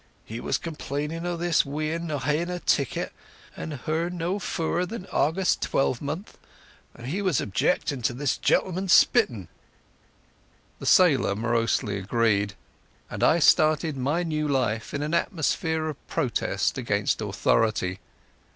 He was complainin' o' this wean no haein' a ticket and her no fower till August twalmonth, and he was objectin' to this gentleman spittin'." The sailor morosely agreed, and I started my new life in an atmosphere of protest against authority.